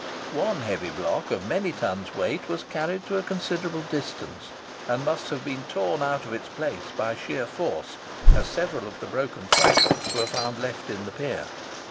One heavy block of many tons' weight was carried to a considerable distance, and must have been torn out of its place by sheer force, as several of the broken fragments were found left in the pier.